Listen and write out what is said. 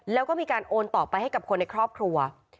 แล้วก็มีการโอนต่อไปให้กับคนในครอบครัว